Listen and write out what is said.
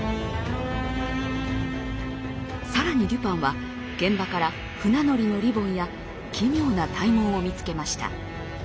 更にデュパンは現場から船乗りのリボンや奇妙な体毛を見つけました。